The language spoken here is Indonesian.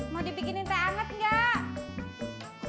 mau dibikinin teh anet gak